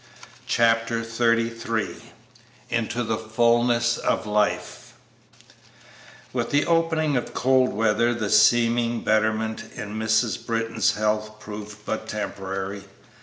Chapter XXXIII INTO THE FULNESS OF LIFE With the opening of cold weather the seeming betterment in Mrs. Britton's health proved but temporary.